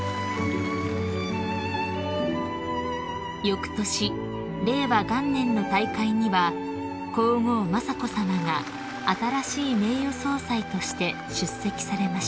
［よくとし令和元年の大会には皇后雅子さまが新しい名誉総裁として出席されました］